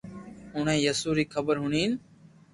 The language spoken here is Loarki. اوڻي يسوع ري خبر ھوڻين